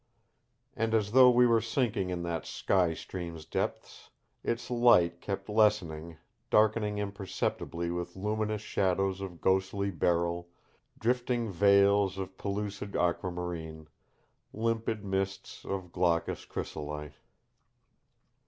And as though we were sinking in that sky stream's depths its light kept lessening, darkening imperceptibly with luminous shadows of ghostly beryl, drifting veils of pellucid aquamarine, limpid mists of glaucous chrysolite.